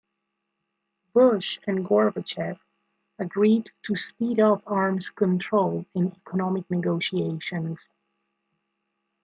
Bush and Gorbachev agreed to speed up arms control and economic negotiations.